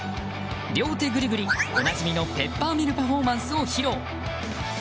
両手ぐりぐり、おなじみのペッパーミルパフォーマンスを披露。